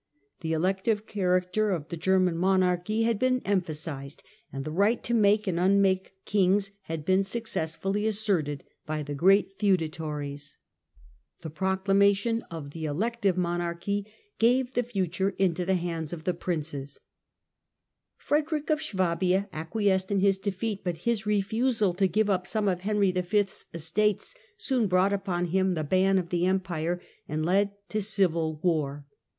The elective character of the German monarchy had been emphasized and the right to make and unmake kings had been successfully asserted by the great feudatories. " The proclamation of 122 I UNDER LOTHAIR II. AND CONRAD III. 123 the elective monarchy gave the future into the hands of the princes." Frederick of Swabia acquiesced in his defeat, but his refusal to give up some of Henry V.'s estates soon brought upon him the ban of the Empire and led to civil war.